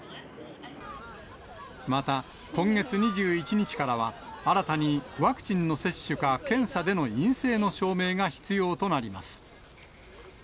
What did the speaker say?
また今月２１日からは、新たにワクチンの接種か検査での陰性の証明が必要となります。